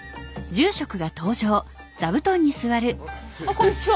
こんにちは。